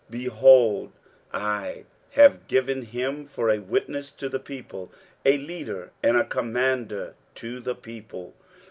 23:055:004 Behold, I have given him for a witness to the people, a leader and commander to the people.